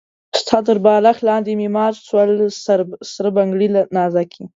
ستا تر بالښت لاندې مي مات سول سره بنګړي نازکي